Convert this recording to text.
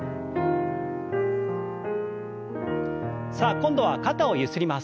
さあ今度は肩をゆすります。